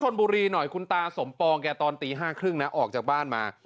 ชนบุรีหน่อยคุณตาสมปองแกตอนตี๕๓๐นะออกจากบ้านมา